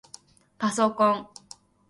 パソコン